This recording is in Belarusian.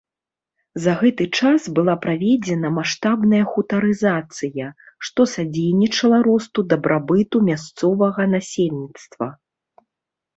За гэты час была праведзена маштабная хутарызацыя, што садзейнічала росту дабрабыту мясцовага насельніцтва.